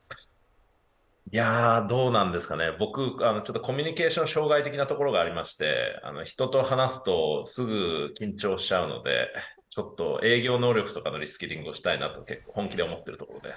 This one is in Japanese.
どうなんですかね、僕、コミュニケーション障害的なところがありまして、人と話すとすぐ緊張しちゃうのでちょっと営業能力とかのリスキリングをしたいなと結構本気で思っているところです。